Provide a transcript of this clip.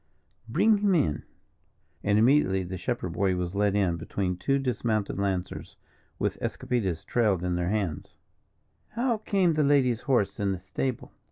"Bring him in." And immediately the shepherd boy was led in between two dismounted lancers, with escopetas trailed in their hands. "How came the lady's horse in the stable?"